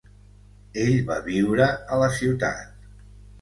Ell va viure a la ciutat.